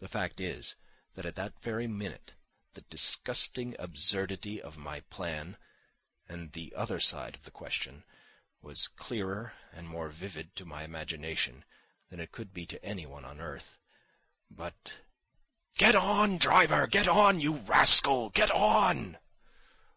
The fact is, that at that very minute the disgusting absurdity of my plan and the other side of the question was clearer and more vivid to my imagination than it could be to anyone on earth. But .... "Get on, driver, get on, you rascal, get on!"